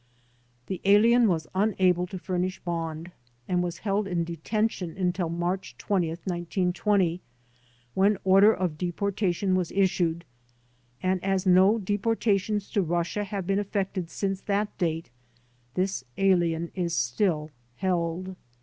The alien was unable to furnish bond and was held in detention until March 20, 1920, when order of deporta tion was issued, and as no deportations to Russia have been effected since that date this alien is still held.